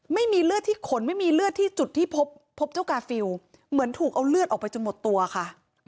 ไม่มีเลือดที่ขนไม่มีเลือดที่จุดที่พบเจ้ากาฟิลเหมือนถูกเอาเลือดออกไปจนหมดตัวค่ะ